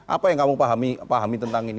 apa yang kamu pahami tentang ini